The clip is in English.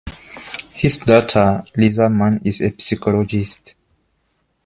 His daughter, Lisa Mann, is a psychologist.